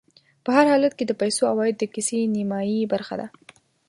په هر حالت کې د پیسو عوايد د کيسې نیمایي برخه ده